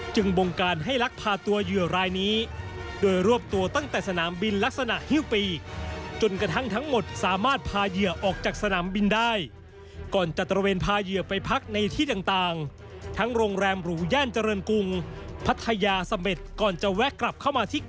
จึงบงการให้ลักพาตัวเหยื่อรายนี้โดยรวบตัวตั้งแต่สนามบินลักษณะฮิ่วปีค